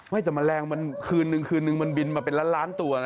ไม่แต่แมลงมันคืนหนึ่งคืนหนึ่งมันบินมาเป็นล้านตัวนะ